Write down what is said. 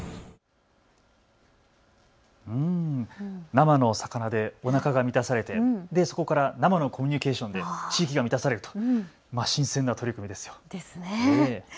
生の魚でおなかが満たされてそこから生のコミュニケーションで地域が満たされると、新鮮な取り組みですよね。